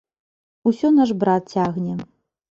Усё наш брат цягне.